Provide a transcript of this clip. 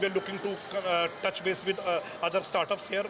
pertama sekali kita ingin menyentuh startup lainnya di sini